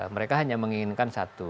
mereka hanya menginginkan satu